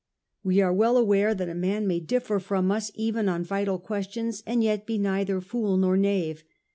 We are well aware that a man may differ from us, even on vital questions, and yet be neither fool nor knave.